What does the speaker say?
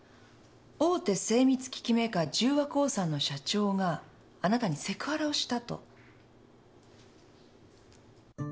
大手精密機器メーカー十和興産の社長があなたにセクハラをしたと？